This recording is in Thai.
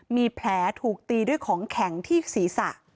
มีแผลถูกตีด้วยของแข็งที่ศีรษะ